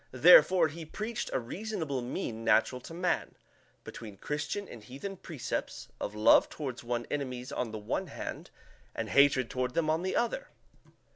Therefore he preached a reasonable mean natural to man, between Christian and heathen precepts, of love toward one's enemies on the one hand, and hatred toward them on the other.